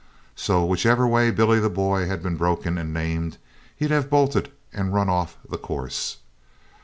So whichever way Billy the Boy had been broken and named he'd have bolted and run off the course.